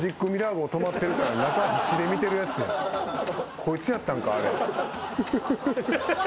こいつやったんかあれ。